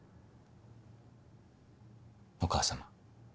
お母様。